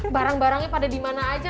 barang barangnya pada dimana aja